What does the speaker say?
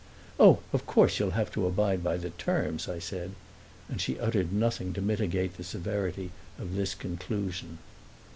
"Oh, of course you will have to abide by the terms," I said; and she uttered nothing to mitigate the severity of this conclusion.